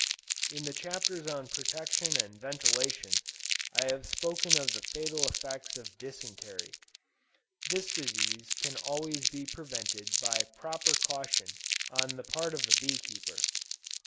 In the Chapters on Protection and Ventilation, I have spoken of the fatal effects of dysentery. This disease can always be prevented by proper caution on the part of the bee keeper.